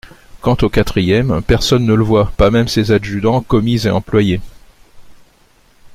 Quant au quatrième, personne ne le voit, pas même ses adjudants, commis et employés.